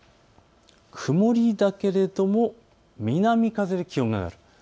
曇りだけれども南風で気温が上がる。